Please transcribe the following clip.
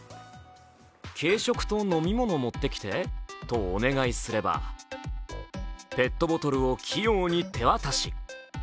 軽食と飲み物持ってきてとお願いすれば、ペットボトルを器用に手渡し。